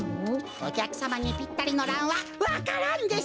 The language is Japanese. おきゃくさまにぴったりのランはわか蘭です！